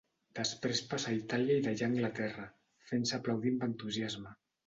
Després passa a Itàlia i d'allà a Anglaterra, fent-se aplaudir amb entusiasme.